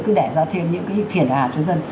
cứ để ra thêm những cái phiền hà cho dân